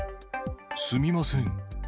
すみません。